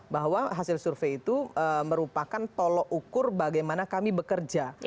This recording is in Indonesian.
bahwa hasil survei itu merupakan tolok ukur bagaimana kami bekerja